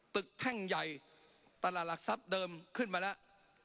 แท่งใหญ่ตลาดหลักทรัพย์เดิมขึ้นมาแล้ว